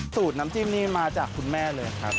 สูตรน้ำจิ้มนี่มาจากคุณแม่เลยครับ